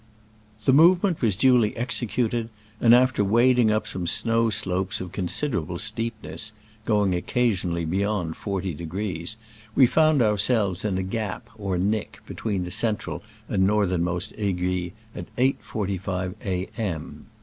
The movement was duly executed, and after wading up some snow slopes of considerable steepness (going occa sionally beyond 40°), we found ourselves in a gap or nick between the central and northernmost Aiguille at 8.45 A. M.